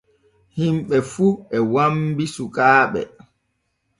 Himɓe fu e wambi sukaaɓe.